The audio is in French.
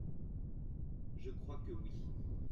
Je crois que oui.